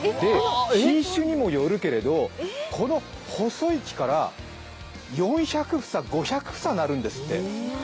品種にもよるけれど、この細い木から４００房、５００房、なるんですって。